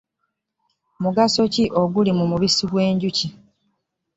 Mugaso ki oguli mu mubisi gwe njuki?